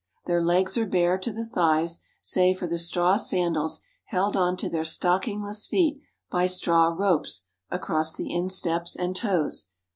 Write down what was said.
Their legs are bare to the thighs, save for the straw sandals held on to their stockingless feet by straw ropes across the insteps and toes.